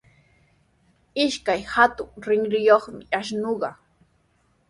Ishkay hatun rinriyuqmi ashnuqa.